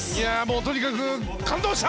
とにかく感動した！